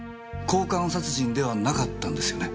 交換殺人ではなかったんですよね？